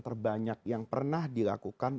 terbanyak yang pernah dilakukan